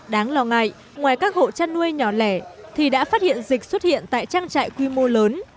đáng lo ngại ngoài các hộ chăn nuôi nhỏ lẻ thì đã phát hiện dịch xuất hiện tại trang trại quy mô lớn